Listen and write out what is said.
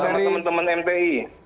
salam teman teman mti